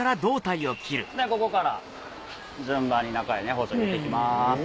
ここから順番に中へ包丁入れて行きます。